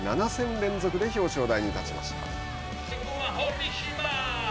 ７戦連続で表彰台に立ちました。